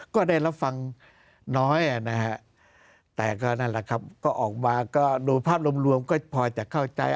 ก็ได้รับฟังน้อยนะฮะแต่ก็นั่นแหละครับก็ออกมาก็ดูภาพรวมก็พอจะเข้าใจ